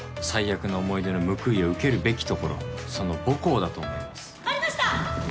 最悪の思い出の報いを受けるべき所その母校だと思います。